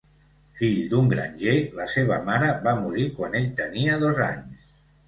Fill d'un granger, la seva mare va morir quan ell tenia dos anys.